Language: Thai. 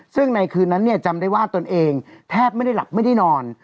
ซึ่งในคืนนั้นจำได้ว่าตนเองแทบไม่ได้หลับไม่ได้นอน